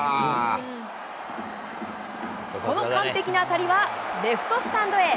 この完璧な当たりはレフトスタンドへ。